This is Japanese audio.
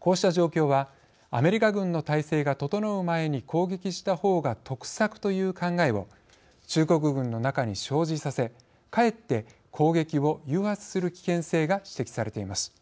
こうした状況はアメリカ軍の態勢が整う前に攻撃した方が得策という考えを中国軍の中に生じさせかえって攻撃を誘発する危険性が指摘されています。